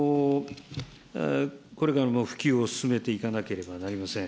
これからも普及を進めていかなければなりません。